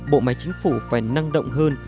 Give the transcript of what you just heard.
bộ máy chính phủ phải năng động hơn